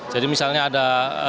jadi misalnya ada